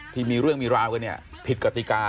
ที่มีเรื่องมีราวก็ผิดกติกา